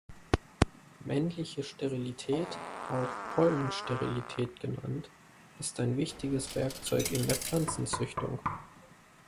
Männliche Sterilität, auch Pollen-Sterilität genannt, ist ein wichtiges Werkzeug in der Pflanzenzüchtung.